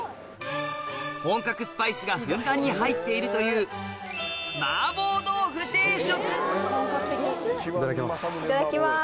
本格スパイスがふんだんに入っているという麻婆豆腐定食いただきます。